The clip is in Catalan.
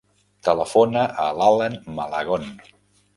Telefona a l'Alan Malagon.